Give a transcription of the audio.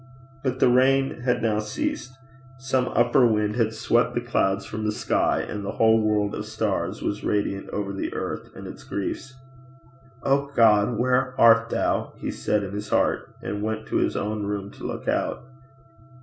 But the rain had now ceased. Some upper wind had swept the clouds from the sky, and the whole world of stars was radiant over the earth and its griefs. 'O God, where art thou?' he said in his heart, and went to his own room to look out.